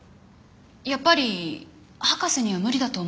やっぱり博士には無理だと思います。